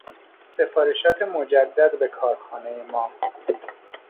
سفارشات مجدد به کارخانهی ما